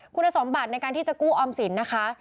คุณสมบัติในการที่จะกู้ออมสินนะคะ